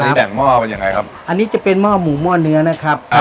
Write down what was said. อันนี้แบ่งห้อเป็นยังไงครับอันนี้จะเป็นหม้อหมูหม้อเนื้อนะครับอ่า